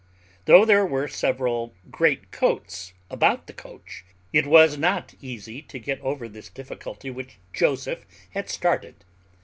Though there were several greatcoats about the coach, it was not easy to get over this difficulty which Joseph had started.